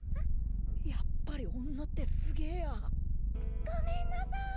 やっぱり女ってすげえやごめんなさい。